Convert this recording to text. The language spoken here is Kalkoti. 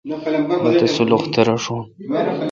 مہ تس سلخ تہ رݭون۔